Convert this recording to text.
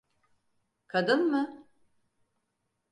Kadın mı?